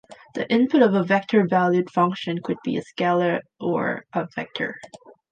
The input of a vector-valued function could be a scalar or a vector.